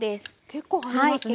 結構入りますね。